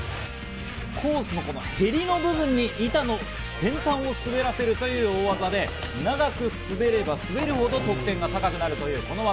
コースのこのヘリの部分に板の先端を滑らせるという大技で、長く滑れば滑るほど得点が高くなるというこの技。